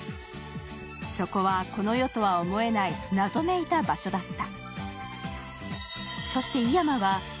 そこは、この世とは思えない謎めいた場所だった。